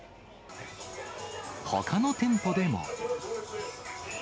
ほかの店舗でも。